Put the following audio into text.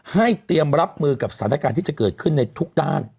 เตรียมรับมือกับสถานการณ์ที่จะเกิดขึ้นในทุกด้าน